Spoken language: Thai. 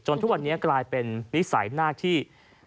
ทุกวันนี้กลายเป็นนิสัยหน้าที่